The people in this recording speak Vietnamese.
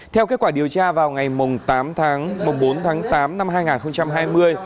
theo kết quả điều tra vào ngày bốn tháng tám năm hai nghìn hai mươi